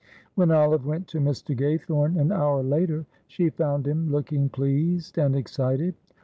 When Olive went to Mr. Gaythorne an hour later she found him looking pleased and excited.